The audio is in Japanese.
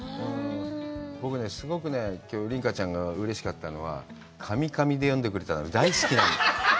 僕ね、すごくきょう琳加ちゃんがうれしかったのがカミカミで読んでくれたの、大好きなの。